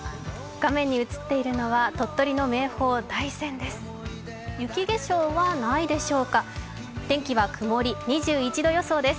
画面に映っているのは鳥取の名峰・大山です。